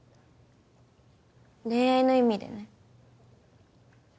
恋愛の意味でね。